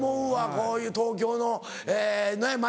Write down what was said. こういう東京の街。